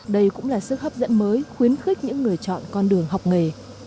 đây cũng là sức hấp dẫn mới khuyến khích những người chọn con đường học nghề